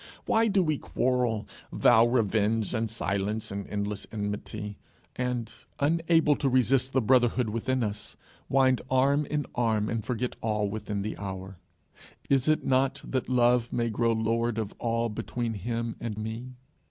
Why do we quarrel, vow revenge and silence and endless enmity, and, unable to resist the brotherhood within us, wind arm in arm and forget all within the hour? Is it not that Love may grow lord of all between him and me?